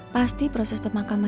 pasti proses pemakaman